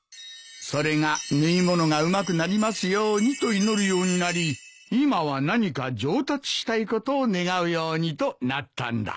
それが縫い物がうまくなりますようにと祈るようになり今は何か上達したいことを願うようにとなったんだ。